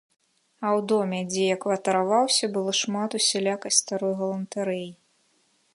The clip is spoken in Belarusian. А ў доме, дзе я кватараваўся, было шмат усялякай старой галантарэі.